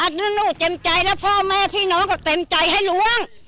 อันนี้หนูเต็มใจแล้วพ่อแม่พี่น้องเขาเต็มใจให้ล้วง